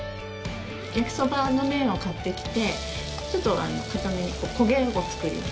焼きそばの麺を買ってきてちょっと硬めに焦げを作ります。